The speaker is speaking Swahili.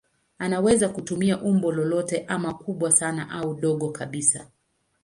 Anaweza kutumia umbo lolote ama kubwa sana au dogo kabisa.